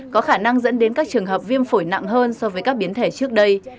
có khả năng dẫn đến các trường hợp viêm phổi nặng hơn so với các biến thể trước đây